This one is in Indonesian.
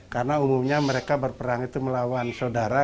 karena umumnya mereka berperang itu melawan saudara